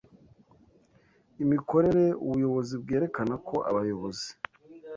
Imikorere Ubuyobozi bwerekana ko abayobozi